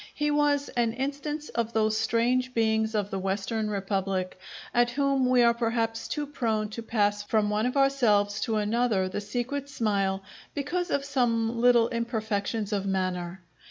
He was an instance of those strange beings of the Western republic, at whom we are perhaps too prone to pass from one of ourselves to another the secret smile, because of some little imperfections of manner.